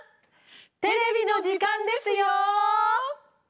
テレビの時間ですよ！